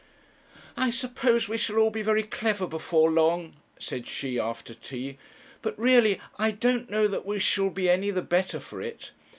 'I suppose we shall all be very clever before long,' said she, after tea; 'but really I don't know that we shall be any the better for it.